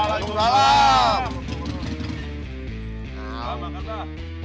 langsung ke dalam